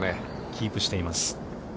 キープしています。